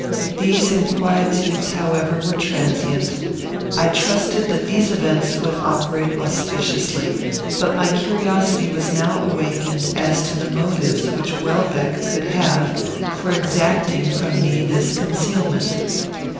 These inquietudes, however, were transient. I trusted that these events would operate auspiciously; but my curiosity was now awakened as to the motives which Welbeck could have for exacting from me this concealment.